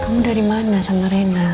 kamu dari mana sama rena